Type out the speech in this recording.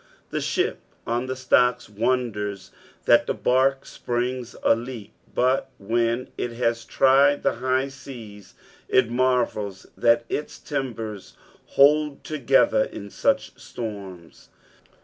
The ship on the stocks wonders that the barque springs a leak, but when it has tried the high seas, it marvels that its timbets hold together in such storms.